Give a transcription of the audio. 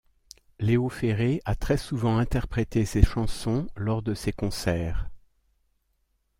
Léo Ferré a très souvent interprété ces chansons lors de ses concerts.